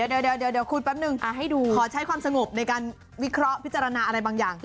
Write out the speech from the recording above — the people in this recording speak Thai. เดี๋ยวคุยแป๊บนึงให้ดูขอใช้ความสงบในการวิเคราะห์พิจารณาอะไรบางอย่าง